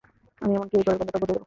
আমি এমনকি এই ঘরের গন্ধটাও বদলে দেবো।